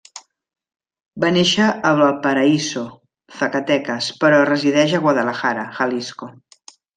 Va néixer a Valparaíso, Zacatecas, però resideix a Guadalajara, Jalisco.